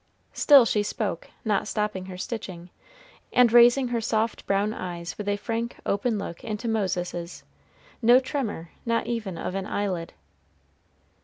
Still she spoke, not stopping her stitching, and raising her soft brown eyes with a frank, open look into Moses's no tremor, not even of an eyelid.